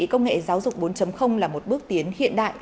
công nghệ giáo dục bốn là một bước tiến hiện đại